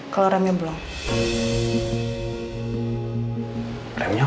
kalau remnya belum